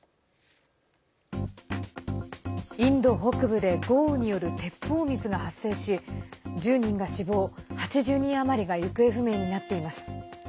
インド北部で豪雨による鉄砲水が発生し１０人が死亡、８０人余りが行方不明になっています。